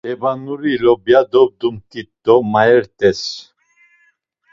Lebanuri lobya dobdumt̆it do mayet̆es.